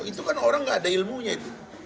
itu kan orang gak ada ilmunya itu